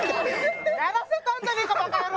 やらせたんじゃねえかバカ野郎！